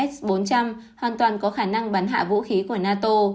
s bốn trăm linh hoàn toàn có khả năng bắn hạ vũ khí của nato